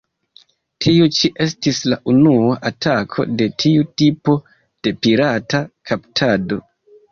Tiu ĉi estis la unua atako de tiu tipo de pirata "kaptado".